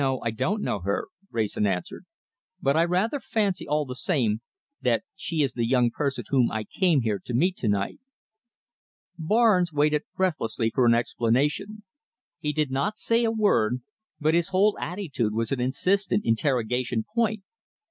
I don't know her," Wrayson answered, "but I rather fancy, all the same, that she is the young person whom I came here to meet to night." Barnes waited breathlessly for an explanation. He did not say a word, but his whole attitude was an insistent interrogation point.